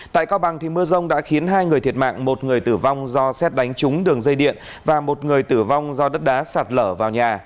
tại cao bằng mưa rông đã khiến hai người thiệt mạng một người tử vong do xét đánh trúng đường dây điện và một người tử vong do đất đá sạt lở vào nhà